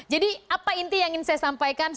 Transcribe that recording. jadi apa inti yang ingin saya sampaikan